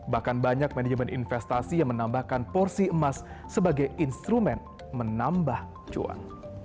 bahkan banyak manajemen investasi yang menambahkan porsi emas sebagai instrumen menambah cuan